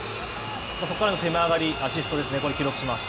そこからの攻め上がり、アシストですね、記録します。